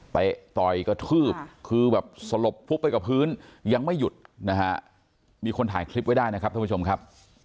ต่อยกระทืบคือแบบสลบพุบไปกับพื้นยังไม่หยุดนะฮะมีคนถ่ายคลิปไว้ได้นะครับท่านผู้ชมครับ